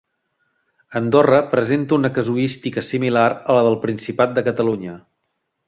Andorra presenta una casuística similar a la del Principat de Catalunya.